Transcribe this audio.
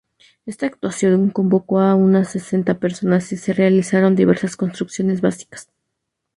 Esta actuación convocó a unas sesenta personas y se realizaron diversas construcciones básicas.